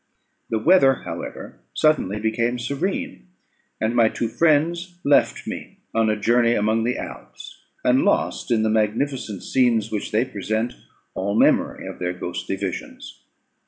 The weather, however, suddenly became serene; and my two friends left me on a journey among the Alps, and lost, in the magnificent scenes which they present, all memory of their ghostly visions.